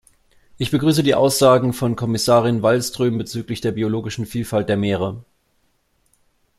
Ich begrüße die Aussagen von Kommissarin Wallström bezüglich der biologischen Vielfalt der Meere.